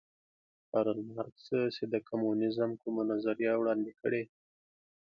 کارل مارکس چې د کمونیزم کومه نظریه وړاندې کړې